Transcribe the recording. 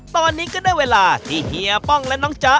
ตอนนี้ก็ได้เวลาที่เฮียป้องและน้องจ๊ะ